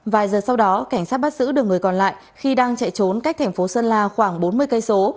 vài giờ sau đó cảnh sát bắt giữ được người còn lại khi đang chạy trốn cách thành phố sơn la khoảng bốn mươi km